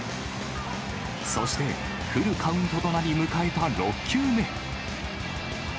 そして、フルカウントとなり迎えた６球目。